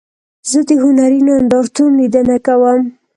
زه د هنري نندارتون لیدنه کوم.